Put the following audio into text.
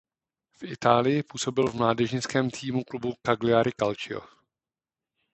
V Itálii působil v mládežnickém týmu klubu Cagliari Calcio.